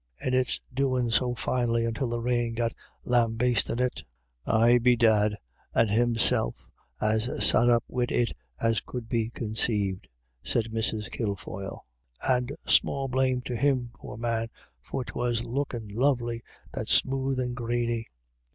And it doin' so finely until the rain got lambastin' it" "Ay bedad, and himself as sot up wid it as could be conceived," said Mrs. Kilfoyle ;" and small blame to him, poor man, for 'twas lookin' lovely, that smooth and greeny."